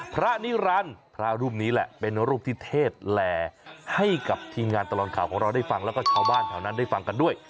พระนิรันดิ์พระรูปนี้แหละเป็นรูปที่เทศแหล่ให้กับทีมงานตลอดข่าวของเราได้ฟังแล้วก็ชาวบ้านแถวนั้นได้ฟังกันด้วย